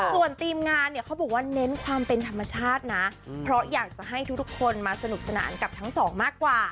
ส่วนทีมงานเนี่ยเขาบอกว่าเน้นความเป็นธรรมชาตินะเพราะอยากจะให้ทุกคนมาสนุกสนานกับทั้งสองมากกว่า